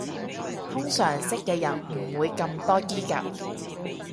通常識嘅人唔會咁多嘰趷